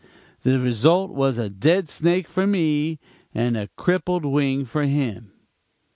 The result was a dead snake for me and a crippled wing for him.